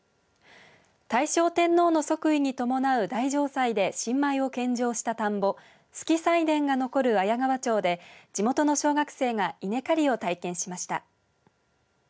大正天皇の即位に伴う大嘗祭で新米を献上した田んぼ主基斎田が残る綾川町で地元の小学生が稲刈りを体験しました。